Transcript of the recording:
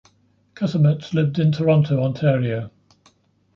Kasemets lived in Toronto, Ontario.